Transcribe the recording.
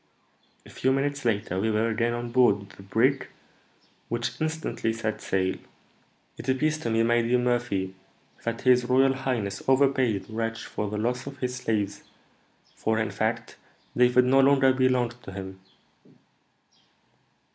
A few minutes later we were again on board the brig, which instantly set sail." "It appears to me, my dear Murphy, that his royal highness overpaid this wretch for the loss of his slaves; for, in fact, David no longer belonged to him."